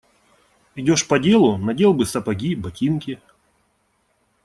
Идешь по делу – надел бы сапоги, ботинки.